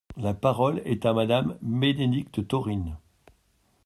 La parole est à Madame Bénédicte Taurine.